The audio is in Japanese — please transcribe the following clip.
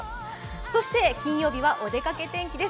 そして金曜日はお出かけ天気です。